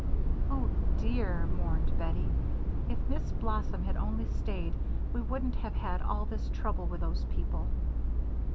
"Oh, dear," mourned Bettie, "if Miss Blossom had only stayed we wouldn't have had all this trouble with those people."